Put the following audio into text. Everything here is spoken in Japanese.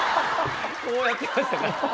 こうやってましたから。